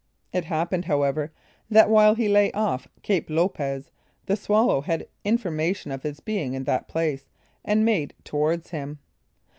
It happened, however, that while he lay off Cape Lopez, the Swallow had information of his being in that place, and made towards him.